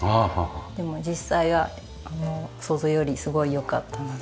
でも実際は想像よりすごい良かったので。